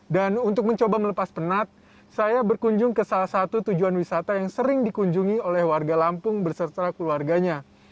dan untuk mencoba melepas penat saya berkunjung ke salah satu tujuan wisata yang sering dikunjungi oleh warga lampung berserta keluarganya